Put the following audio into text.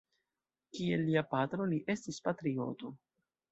Kiel lia patro, li estis patrioto.